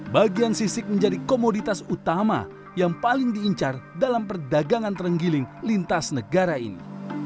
bagian sisik menjadi komoditas utama yang paling diincar dalam perdagangan terenggiling lintas negara ini